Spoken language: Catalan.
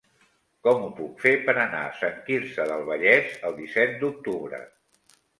Com ho puc fer per anar a Sant Quirze del Vallès el disset d'octubre?